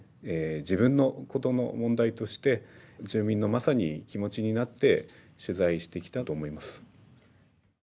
自分のことの問題として住民のまさに気持ちになって取材してきたと思います。